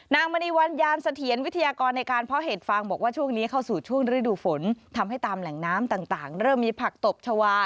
มณีวันยานเสถียรวิทยากรในการเพาะเห็ดฟางบอกว่าช่วงนี้เข้าสู่ช่วงฤดูฝนทำให้ตามแหล่งน้ำต่างเริ่มมีผักตบชาวา